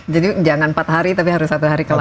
jadi jangan empat hari tapi harus satu hari kelar